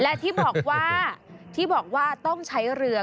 และที่บอกว่าที่บอกว่าต้องใช้เรือ